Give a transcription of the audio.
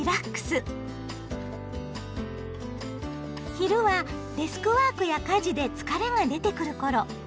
昼はデスクワークや家事で疲れが出てくる頃。